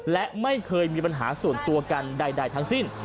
และไม่เคยมีปัญหาส่วนตัวกันใดทั้งสิ้น